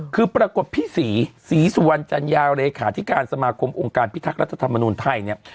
คือปรากฏพี่ศรีศรีสุวรรณจัญญาเลขาธิการสมาคมองค์การพิทักษ์รัฐธรรมนุนไทยเนี่ย